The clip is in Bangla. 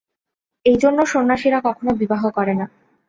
এইজন্য সন্ন্যাসীরা কখনও বিবাহ করে না।